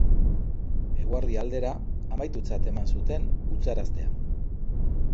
Eguerdi aldera, amaitutzat eman zuten utzaraztea.